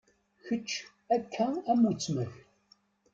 Kečč akka am uttma-k.